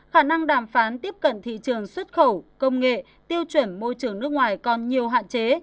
khả năng đàm phán tiếp cận thị trường xuất khẩu công nghệ tiêu chuẩn môi trường nước ngoài còn nhiều hạn chế